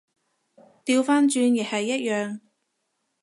掉返轉亦係一樣